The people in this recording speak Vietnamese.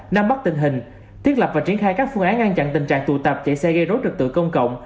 nắm bắt tình hình thiết lập và triển khai các phương án ngăn chặn tình trạng tù tạp chạy xe gây rối trực tự công cộng